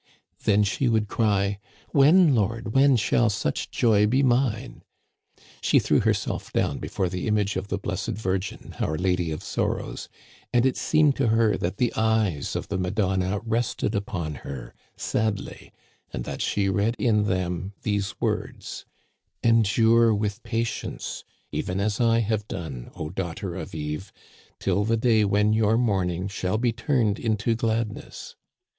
" Then she would cry :When, Lord, when shall such joy be mine 1 '*' She threw herself down before the image of the blessed Virgin, our Lady of Sorrows ; and it seemed to her that the eyes of the Madonna rested upon her sadly» and that she read in them these words :"* Endure with patience, even as I have done, O daughter of Eve, till the day when your mourning s.hall be turned into gladness.'